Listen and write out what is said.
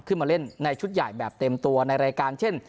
ขึ้นมาเล่นในชุดใหญ่แบบเต็มตัวในรายการเช่น